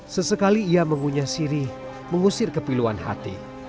sesekali ia mengunyah sirih mengusir kepiluan hati